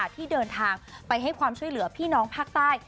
ที่เดินทางไปให้ความช่วยเหลือพี่น้องภาคใต้